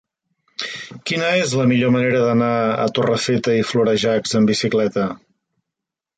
Quina és la millor manera d'anar a Torrefeta i Florejacs amb bicicleta?